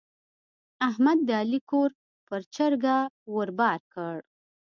احمد د علي کور پر چرګه ور بار کړ.